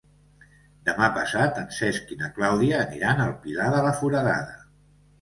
Demà passat en Cesc i na Clàudia aniran al Pilar de la Foradada.